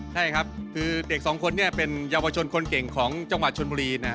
ใช่ครับคือเด็กสองคนเนี่ยเป็นเยาวชนคนเก่งของจังหวัดชนบุรีนะ